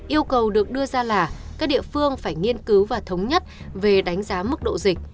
yêu cầu được đưa ra là các địa phương phải nghiên cứu và thống nhất về đánh giá mức độ dịch